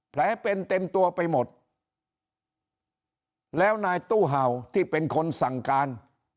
แผลเป็นเต็มตัวไปหมดแล้วนายตู้เห่าที่เป็นคนสั่งการ